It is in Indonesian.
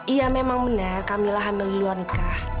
iya memang benar camilla hamil di luar nikah